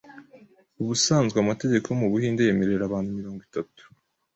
Ubusanzwe amategeko yo mu Buhinde yemerera abantu mirongo itatu